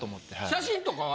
写真とかは？